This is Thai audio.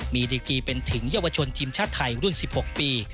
มีดีกีเป็นถึงเยาวชนทีมชาติไทยรุ่น๑๖ปี